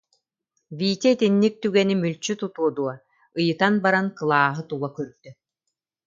Витя итинник түгэни мүлчү тутуо дуо, ыйытан баран кылааһы тула көрдө